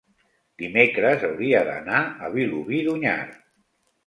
dimecres hauria d'anar a Vilobí d'Onyar.